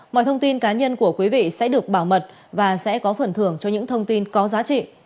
mọi thông tin cá nhân của quý vị sẽ được bảo mật và sẽ có phần thưởng cho những thông tin có giá trị